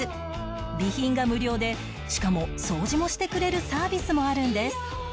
備品が無料でしかも掃除もしてくれるサービスもあるんです